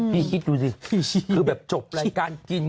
คิดดูสิคือแบบจบรายการกิน